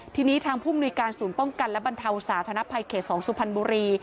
ทีนี้ทางผู้มนุยการศูนย์ป้องกันและบรรเทาสาธารณภัยเขต๒สุพรรณบุรี